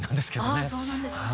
ああそうなんですね。